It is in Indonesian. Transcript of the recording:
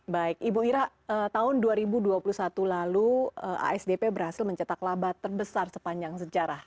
baik ibu ira tahun dua ribu dua puluh satu lalu asdp berhasil mencetak laba terbesar sepanjang sejarah